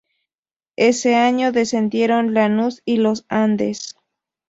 Ese año descendieron Lanús y Los Andes.